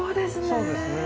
そうですね。